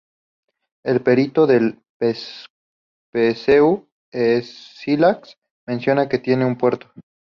El "Periplo del Pseudo-Escílax" menciona que tenía un puerto.